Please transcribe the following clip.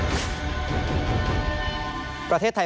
ุมนี้เป็นภาษาแรงเบื้อในประเทศไทย